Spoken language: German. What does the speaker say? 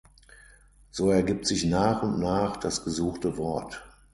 So ergibt sich nach und nach das gesuchte Wort.